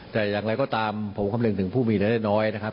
แต่อย่างไรก็ตามผมคำนึงถึงผู้มีรายได้น้อยนะครับ